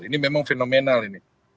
ini memang fenomenal ini